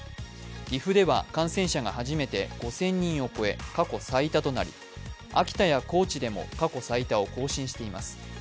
岐阜では感染者が初めて５０００人を超え過去最多となり、秋田や高知でも過去最多を更新しています。